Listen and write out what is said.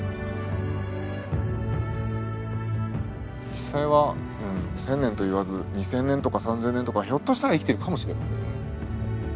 実際は１，０００年と言わず２，０００年とか３，０００年とかひょっとしたら生きてるかもしれませんよね。